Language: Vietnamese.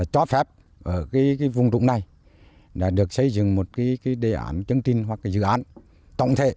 cho phép vùng trũng này đã được xây dựng một đề ảnh chứng tin hoặc dự án tổng thể